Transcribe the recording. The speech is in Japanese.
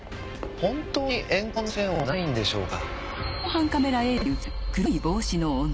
本当に怨恨の線はないんでしょうか？